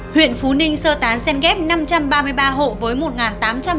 huyện phú ninh sơ tán xen ghép năm trăm ba mươi ba hộ với một tám trăm linh ba khẩu